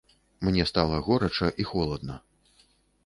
Мне стала горача і холадна.